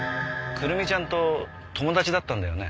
久瑠実ちゃんと友達だったんだよね？